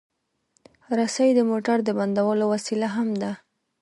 رسۍ د موټر د بندولو وسیله هم ده.